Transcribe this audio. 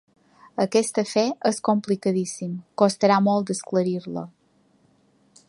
Aquest afer és complicadíssim: costarà molt d'esclarir-lo.